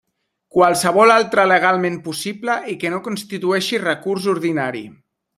Qualsevol altre legalment possible i que no constitueixi recurs ordinari.